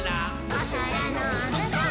「おそらのむこう！？